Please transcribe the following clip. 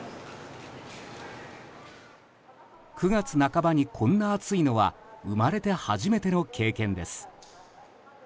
９月半ばに、こんな暑いのは生まれて初めての経験です。